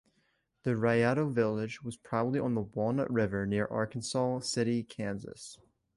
The Rayado village was probably on the Walnut River near Arkansas City, Kansas.